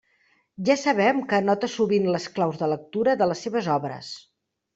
Ja sabem que anota sovint les claus de lectura de les seves obres.